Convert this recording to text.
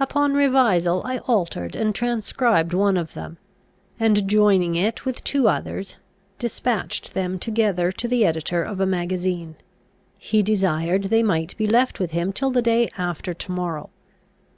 Upon revisal, I altered and transcribed one of them, and, joining it with two others, despatched them together to the editor of a magazine. He desired they might be left with him till the day after to morrow.